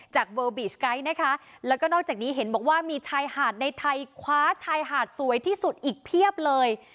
เวิลบีชไกด์นะคะแล้วก็นอกจากนี้เห็นบอกว่ามีชายหาดในไทยคว้าชายหาดสวยที่สุดอีกเพียบเลย